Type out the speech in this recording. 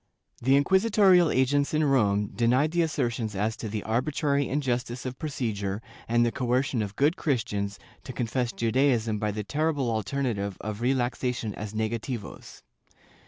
^ The inquisitorial agents in Rome denied the assertions as to the arbitrary injustice of procedure and the coercion of good Christians to confess Judaism by the terrible alternative of relaxa tion as negativos.